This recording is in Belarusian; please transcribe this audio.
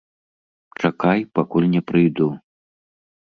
Чакай, пакуль не прыйду.